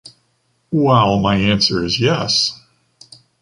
While my answer is yes.